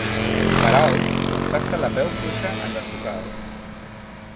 Parauk contrasta la veu fluixa en les vocals.